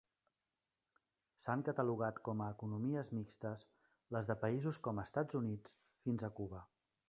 S'han catalogat com a economies mixtes les de països com Estats Units fins a Cuba.